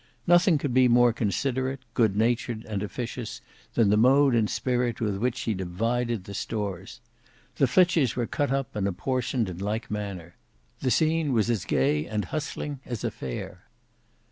Nothing could be more considerate, good natured, and officious, than the mode and spirit with which she divided the stores. The flitches were cut up and apportioned in like manner. The scene was as gay and hustling as a fair.